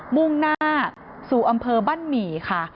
มุ่งหน้าสู่อำเภอบ้านหมี่ค่ะ